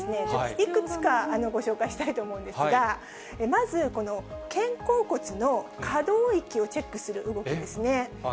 いくつかご紹介したいと思うんですが、まずこの肩甲骨の可動域をチェックする動きですね。